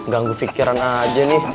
ganggu pikiran aja nih